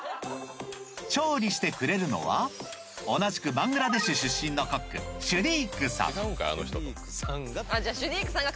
調理をしてくれるのは同じくバングラデシュ出身のシュディークさんが。